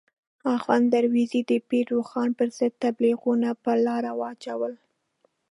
اخوند درویزه د پیر روښان پر ضد تبلیغونه په لاره واچول.